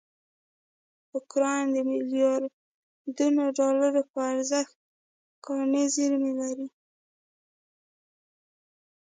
اوکراین دمیلیاردونوډالروپه ارزښت کاني زېرمې لري.